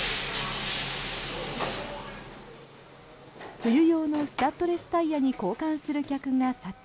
冬用のスタッドレスタイヤに交換する客が殺到。